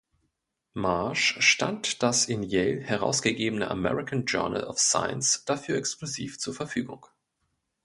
Marsh stand das in Yale herausgegebene American Journal of Science dafür exklusiv zur Verfügung.